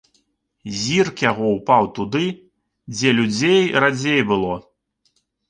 Зірк яго ўпаў туды, дзе людзей радзей было.